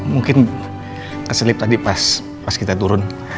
mungkin keselip tadi pas kita turun